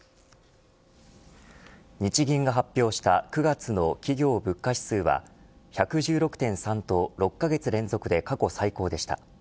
日銀が発表した９月の企業物価指数は１１６．３と６カ月連続で過去最高でした。